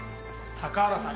高原さん。